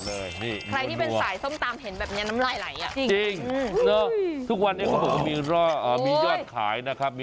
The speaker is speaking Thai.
ใครที่เป็นสายส้มตำเห็นแบบนี้น้ำไหลจริงทุกวันนี้มียอดขายนะครับ